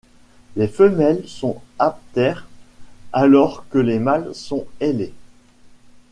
Les femelles sont aptères alors que les mâles sont ailés.